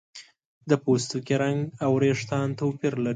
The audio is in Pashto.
د پوستکي رنګ او ویښتان توپیر لري.